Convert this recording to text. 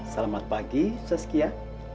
selamat pagi saskia